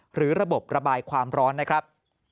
หรือระบบระบายความร้อนนะครับ